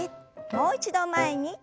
もう一度前に。